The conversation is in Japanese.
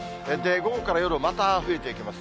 午後から夜、また増えてきますね。